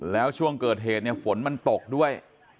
แล้วช่วงเกิดเหตุเนี่ยฝนมันตกด้วย